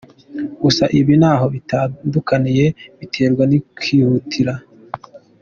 Gusa ibi ntaho bitandukaniye biterwa n’ikikwihutira.